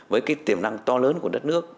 với tiềm năng to lớn của đất nước